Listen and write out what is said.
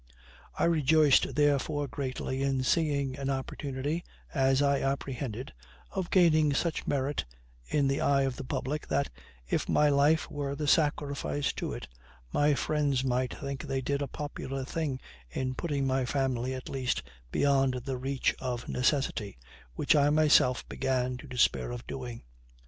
I rejoiced therefore greatly in seeing an opportunity, as I apprehended, of gaining such merit in the eye of the public, that, if my life were the sacrifice to it, my friends might think they did a popular act in putting my family at least beyond the reach of necessity, which I myself began to despair of doing.